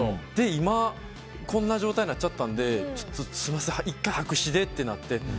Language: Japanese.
で、今こんな状態になっちゃったのでちょっと、すみません１回、白紙でってなって。